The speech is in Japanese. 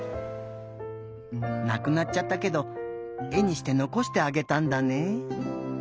なくなっちゃったけどえにしてのこしてあげたんだね。